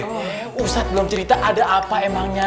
oh ustadz belum cerita ada apa emangnya